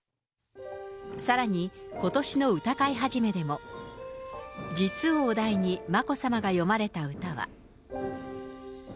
さらに、ことしの歌会始でも、実をお題に眞子さまが詠まれた歌は。